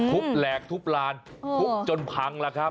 แหลกทุบลานทุบจนพังแล้วครับ